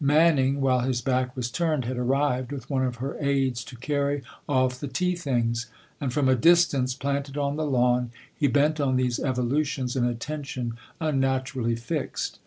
Manning, while his back was turned, had arrived with one of her aids to carry off the tea things ; and from a distance, planted on the lawn, he bent on these evolutions an attention unnaturally fixed.